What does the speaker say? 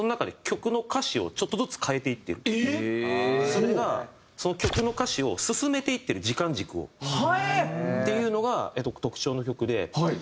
それが曲の歌詞を進めていってる時間軸を。っていうのが特徴の曲で。